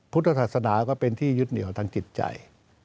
พุทธศาสนาก็เป็นที่ยึดเหนียวทางจิตใจ